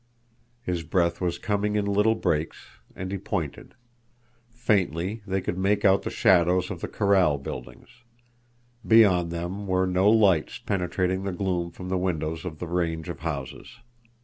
His breath was coming in little breaks, and he pointed. Faintly they could make out the shadows of the corral buildings. Beyond them were no lights penetrating the gloom from the windows of the range of houses.